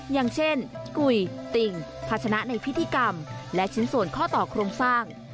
อย่างเช่นกุยติ่งพัชนะในพิธีกรรมและชิ้นส่วนข้อต่อโครงสร้าง